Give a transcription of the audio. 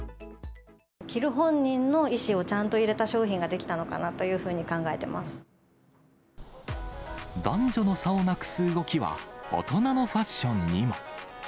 着る本人の意思をちゃんと入れた商品が出来たのかなというふ男女の差をなくす動きは、大人のファッションにも。